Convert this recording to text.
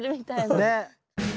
ねっ。